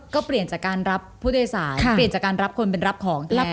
ก็เปลี่ยนจากการรับผู้โดยสารเปลี่ยนจากการรับคนเป็นรับของ